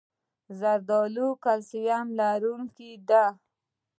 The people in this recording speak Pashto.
زردالو د کلسیم لرونکی ده.